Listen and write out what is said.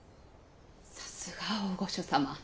さすが大御所様。